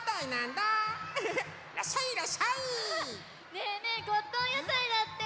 ねえねえゴットンやたいだって！